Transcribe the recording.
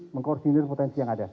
mengkorporir potensi yang ada